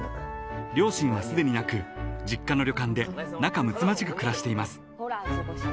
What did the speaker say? ［両親はすでになく実家の旅館で仲むつまじく暮らしています］